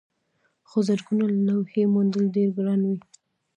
خو زرګونه لوحې موندل ډېر ګران وي.